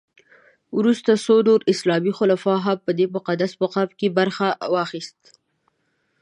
وروسته څو نورو اسلامي خلفاوو هم په دې مقدس مقام کې برخه واخیسته.